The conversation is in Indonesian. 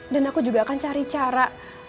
dan aku juga akan cari cara